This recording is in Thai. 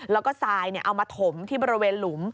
แล้วก็ทรายเอามาถมที่บริเวณหลุม